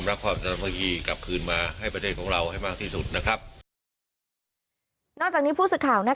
นอกจากนี้ผู้สิทธิ์ข่าว